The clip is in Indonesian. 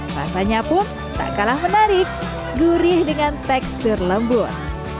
rasanya pun tak kalah menarik gurih dengan tekstur lembut